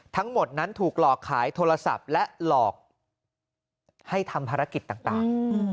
ทั้งหมดนั้นถูกหลอกขายโทรศัพท์และหลอกให้ทำภารกิจต่าง